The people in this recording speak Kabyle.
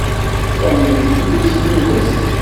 Sami ibeddel isem-nnes.